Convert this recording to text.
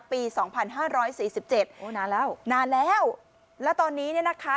ปีสองพันห้าร้อยสี่สิบเจ็ดโอ้นานแล้วนานแล้วแล้วตอนนี้เนี่ยนะคะ